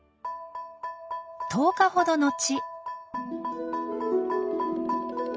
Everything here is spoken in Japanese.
１０日ほどのち。